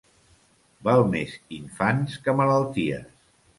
Val més infants que malalties.